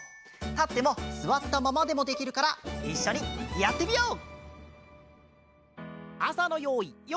たってもすわったままでもできるからいっしょにやってみよう。